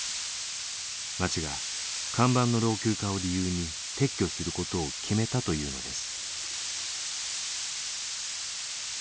町が看板の老朽化を理由に撤去することを決めたというのです。